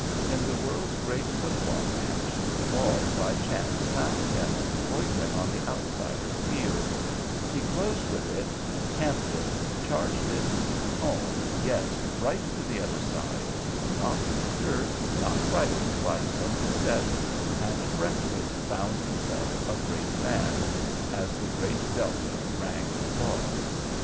In the world's great football match, the ball by chance found him loitering on the outside of the field; he closed with it, "camped" it, charged, it home—yes, right through the other side—not disturbed, not frightened by his own success—and breathless found himself a great man—as the Great Delta rang applause.